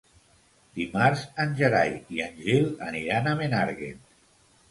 Dimarts en Gerai i en Gil aniran a Menàrguens.